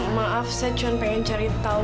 maaf saya cuma pengen cari tahu